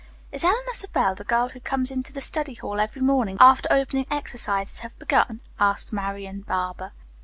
"Is Eleanor Savell the girl who comes into the study hall every morning after opening exercises have begun?" asked Marian Barber.